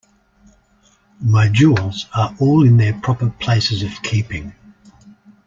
My jewels are all in their proper places of keeping.